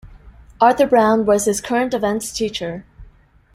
Arthur Brown was his current events teacher.